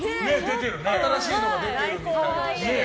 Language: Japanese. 新しいのが出てるみたいで。